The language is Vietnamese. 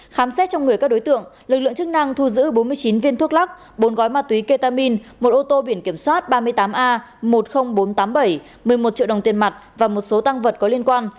khám xét trong người các đối tượng lực lượng chức năng thu giữ bốn mươi chín viên thuốc lắc bốn gói ma túy ketamin một ô tô biển kiểm soát ba mươi tám a một mươi nghìn bốn trăm tám mươi bảy một mươi một triệu đồng tiền mặt và một số tăng vật có liên quan